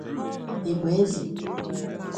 ịgbaeze